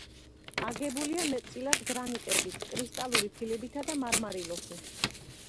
აგებულია მეტწილად გრანიტებით, კრისტალური ფიქლებითა და მარმარილოთი.